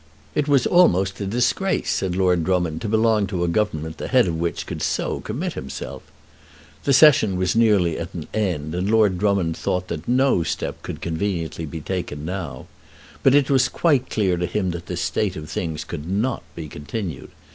It was almost a disgrace, said Lord Drummond, to belong to a Government the Head of which could so commit himself! The Session was nearly at an end, and Lord Drummond thought that no step could be conveniently taken now. But it was quite clear to him that this state of things could not be continued.